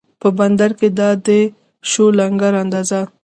په بندر کې دا دی شو لنګر اندازه